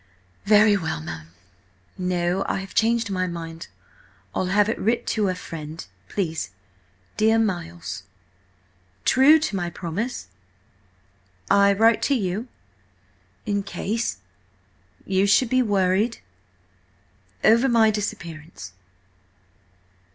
"Very well, ma'am. No, I have changed my mind. I'll have it writ to a friend, please: 'Dear Miles, ... True to my promise ... I write to you ... In case ... you should be worried ... over my disappearance